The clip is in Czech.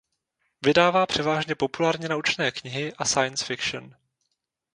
Vydává převážně populárně naučné knihy a science fiction.